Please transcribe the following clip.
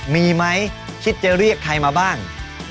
มีไหมคิดจะเรียกใครมาบ้าง